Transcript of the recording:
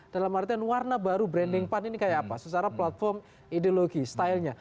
dalam artian warna baru branding pan ini kayak apa secara platform ideologi stylenya